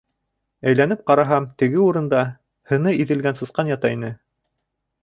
Әйләнеп ҡараһам, теге урында... һыны иҙелгән сысҡан ята ине.